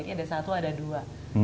ini ada satu ada dua